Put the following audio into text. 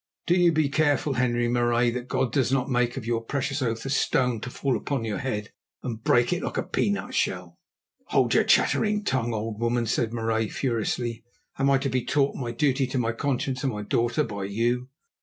Do you be careful, Henri Marais, that God does not make of your precious oath a stone to fall upon your head and break it like a peanut shell." "Hold your chattering tongue, old woman," said Marais furiously. "Am I to be taught my duty to my conscience and my daughter by you?"